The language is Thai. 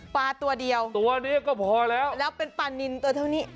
ปลาตัวเดียวแล้วเป็นปลานินตัวเท่านี้